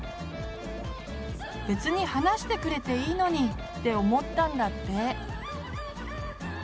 別に話してくれていいのにって思ったんだって。